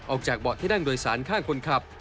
ออกจากเบาะที่นั่งโดยสารข้างคนขับ